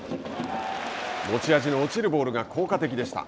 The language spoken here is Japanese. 持ち味の落ちるボールが効果的でした。